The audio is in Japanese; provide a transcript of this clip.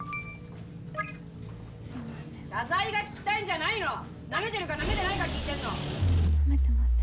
すいません謝罪が聞きたいんじゃないのナメてるかナメてないか聞いてんの！